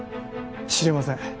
知りません